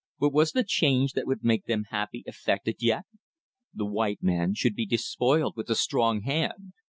But was the change that would make them happy effected yet? The white man should be despoiled with a strong hand!